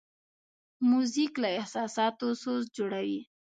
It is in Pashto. موزیک له احساساتو سوز جوړوي.